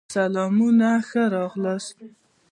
سلامونه ښه راغلاست